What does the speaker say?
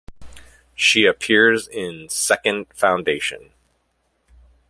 She appears in "Second Foundation".